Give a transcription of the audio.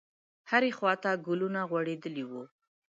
هرې خواته ګلونه غوړېدلي وو.